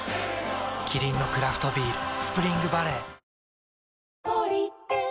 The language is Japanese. キリンのクラフトビール「スプリングバレー」